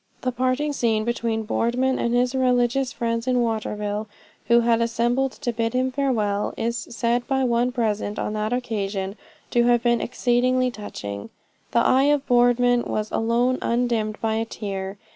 The parting scene between Boardman and his religious friends in Waterville, who had assembled to bid him farewell is said by one present on that occasion, to have been exceedingly touching. "The eye of Boardman was alone undimmed by a tear.